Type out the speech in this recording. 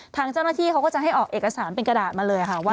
ทางเจ้าหน้าที่เขาก็จะให้ออกเอกสารเป็นกระดาษมาเลยค่ะว่า